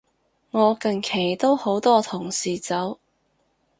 我近期都好多同事走